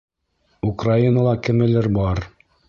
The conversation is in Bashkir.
Украинала кемелер бар.